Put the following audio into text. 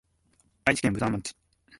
愛知県武豊町